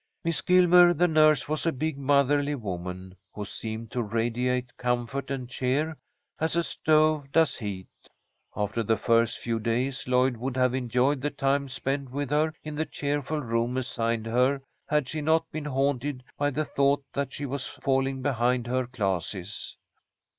Miss Gilmer, the nurse, was a big motherly woman, who seemed to radiate comfort and cheer, as a stove does heat. After the first few days, Lloyd would have enjoyed the time spent with her in the cheerful room assigned her had she not been haunted by the thought that she was falling behind her classes.